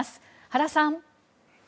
原さん。